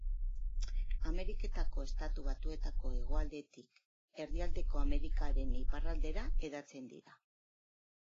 Ameriketako Estatu Batuetako hegoaldetik Erdialdeko Amerikaren iparraldera hedatzen dira.